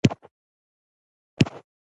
د زابل په دایچوپان کې څه شی شته؟